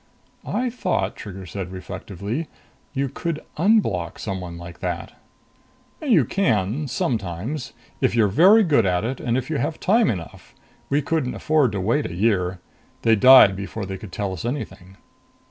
"I thought," Trigger said reflectively, "you could _un_block someone like that." "You can, sometimes. If you're very good at it and if you have time enough. We couldn't afford to wait a year. They died before they could tell us anything."